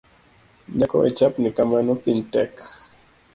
Nyako wechapni kamano piny tek.